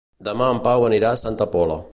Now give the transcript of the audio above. Demà en Pau anirà a Santa Pola.